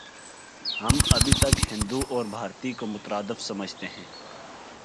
ہم ابھی تک 'ہندو‘ اور 'بھارتی‘ کو مترادف سمجھتے ہیں۔